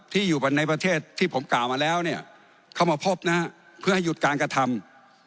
ที่อยู่ในประเทศที่ผมกล่าวมาแล้วเนี่ยเข้ามาพบนะฮะเพื่อให้หยุดการกระทำ